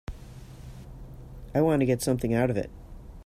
I want to get something out of it.